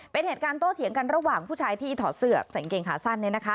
เป็นเหตุการณ์โต้เถียงกันระหว่างผู้ชายที่ถอดเสือกใส่เกงขาสั้น